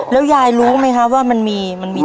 แล้วยายรู้ไหมคะว่ามันมีมันมี